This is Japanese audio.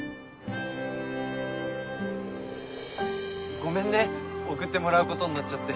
ごめんね送ってもらうことになっちゃって。